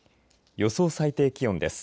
予想最低気温です。